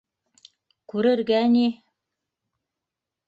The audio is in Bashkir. —Күрергә ни!